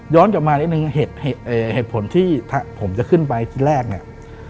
กลับมานิดนึงเหตุผลที่ผมจะขึ้นไปที่แรกเนี่ย